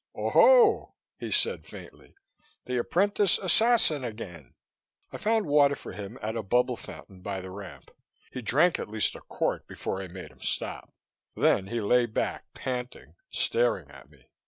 "Oho," he said faintly. "The apprentice assassin again." I found water for him at a bubble fountain by the ramp; he drank at least a quart before I made him stop. Then he lay back, panting, staring at me.